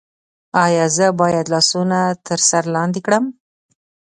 ایا زه باید لاسونه تر سر لاندې کړم؟